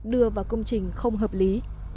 đưa vào công trình không hợp lý